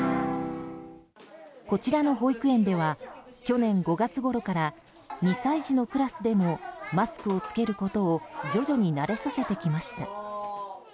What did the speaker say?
こちらの保育園では去年５月ごろから２歳児のクラスでもマスクを着けることを徐々に慣れさせてきました。